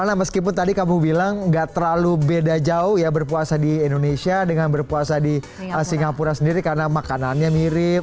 bagaimana meskipun tadi kamu bilang gak terlalu beda jauh ya berpuasa di indonesia dengan berpuasa di singapura sendiri karena makanannya mirip